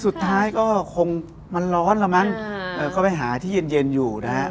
สุดท้ายก็คงมันร้อนแล้วมั้งก็ไปหาที่เย็นเย็นอยู่นะฮะ